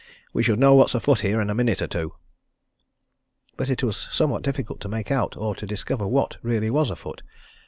We should know what's afoot here in a minute or two." But it was somewhat difficult to make out or to discover what really was afoot.